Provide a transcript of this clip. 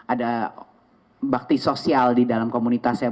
ada bakti sosial di dalam komunitasnya